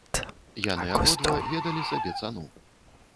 Яны абодва ведалі сабе цану.